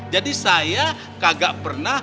jadi saya kagak pernah